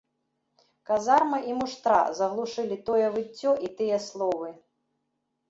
Казарма і муштра заглушылі тое выццё і тыя словы.